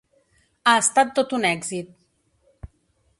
Ha estat tot un èxit.